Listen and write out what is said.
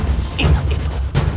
kenapa kau menertawaiku